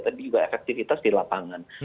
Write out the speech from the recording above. tapi juga efektivitas di lapangan